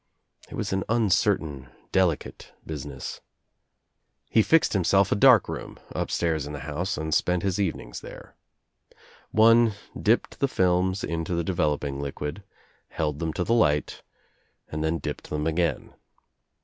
It was an uncertain delicate business. He fixed himself a dark room upstairs in the house and spent his evenings there. One dipped the films into the developing liquid, held them to the light and then dipped them again.